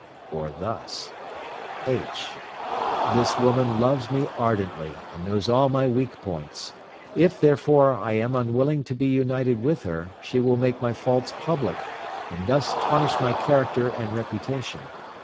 Or thus: (h). This woman loves me ardently, and knows all my weak points, if therefore, I am unwilling to be united with her, she will make my faults public, and thus tarnish my character and reputation.